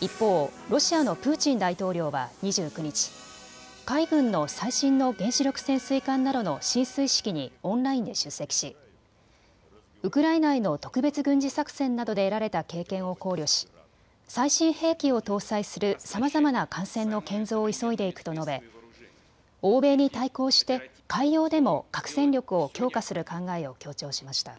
一方、ロシアのプーチン大統領は２９日、海軍の最新の原子力潜水艦などの進水式にオンラインで出席しウクライナへの特別軍事作戦などで得られた経験を考慮し最新兵器を搭載するさまざまな艦船の建造を急いでいくと述べ欧米に対抗して海洋でも核戦力を強化する考えを強調しました。